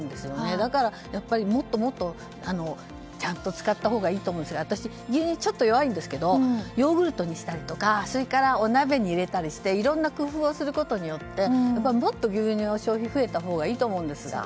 だからもっともっと、ちゃんと使ったほうがいいと思うし私、牛乳ちょっと弱いんですけどヨーグルトにしたりとかお鍋に入れたりしていろいろ工夫をすることでもっと牛乳の消費が増えたほうがいいと思うんです。